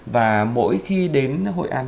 và mỗi khi đến hội an